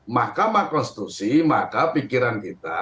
mahkamah konstitusi maka pikiran kita